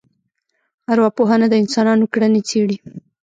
ارواپوهنه د انسانانو کړنې څېړي